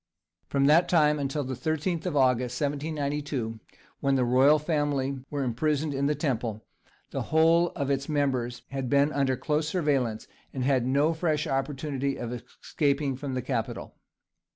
From that time until the 13th of August, 1792, when the royal family were imprisoned in the Temple, the whole of its members had been under close surveillance, and had no fresh opportunity of escaping from the capital.